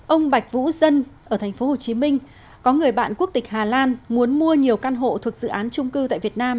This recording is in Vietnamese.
ông bạch vũ dân ở tp hcm có người bạn quốc tịch hà lan muốn mua nhiều căn hộ thuộc dự án trung cư tại việt nam